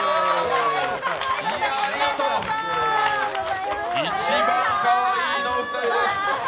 いちばんかわいいのお二人です